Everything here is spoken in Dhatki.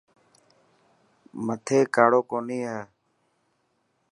مٿي ڪاڙو ڪوني هي.